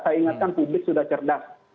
saya ingatkan publik sudah cerdas